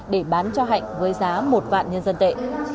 để bán cho hạnh với giá một vạn nhân dân tệ